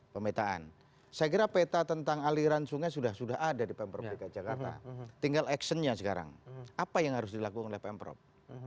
pemetaan saya kira peta tentang aliran sungai sudah sudah ada di pemprov dki jakarta tinggal actionnya sekarang apa yang harus dilakukan oleh pemprov